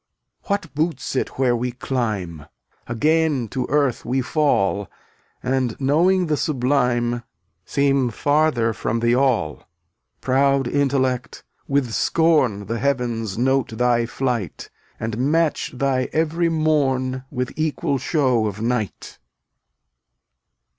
252 What boots it where we climb? Again to earth we fall, And knowing the Sublime Seem farther from the All. Proud Intellect! with scorn The Heavens note thy flight, And match thy every morn With equal show of night.